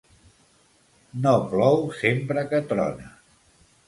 No plou sempre que trona.